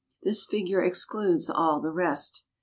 This figure excludes all the rest.